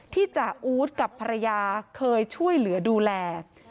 จ่าอู๊ดกับภรรยาเคยช่วยเหลือดูแล